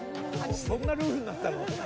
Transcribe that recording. そんなルールになったの？